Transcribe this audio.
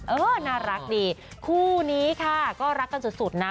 เออน่ารักดีคู่นี้ค่ะก็รักกันสุดนะ